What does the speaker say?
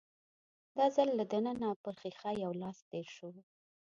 دا ځل له دننه پر ښيښه يو لاس تېر شو.